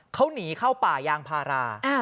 เขาหนีเข้าป่ายางพารา